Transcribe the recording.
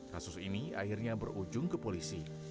kasus ini akhirnya berujung ke polisi